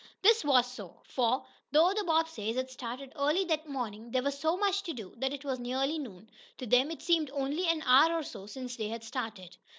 This was so. For, though the Bobbseys had started early that morning, there was so much to do that it was now nearly noon. To them it seemed only an hour or so since they had started.